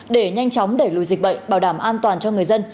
để nhanh chóng đẩy lùi dịch bệnh bảo đảm an toàn cho người dân